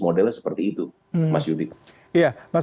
modelnya seperti itu mas yudit iya mas